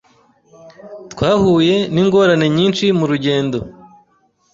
Twahuye ningorane nyinshi murugendo.